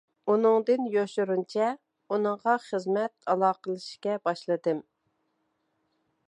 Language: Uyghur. ئۇنىڭدىن يوشۇرۇنچە ئۇنىڭغا خىزمەت ئالاقىلىشىشكە باشلىدىم.